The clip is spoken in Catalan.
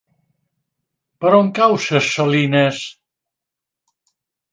Per on cau Ses Salines?